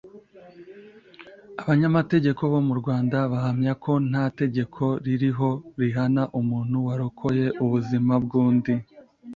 Abanyamategeko bo mu Rwanda bahamya ko nta tegeko ririho rihana umuntu warokoye ubuzima bw’undi